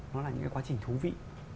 nó là những cái quá trình thú vị